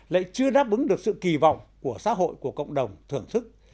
lại chưa đáp ứng được sự kỳ vọng của xã hội của cộng đồng thưởng thức